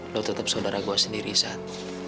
lo tetap saudara gue sendiri saat